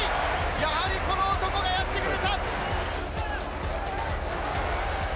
やはり、この男がやってくれた！